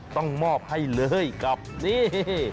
ต้องมอบให้เลยกับนี่